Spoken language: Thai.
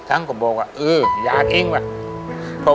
ฉันก็บอกว่าเอออยากเองว่ะ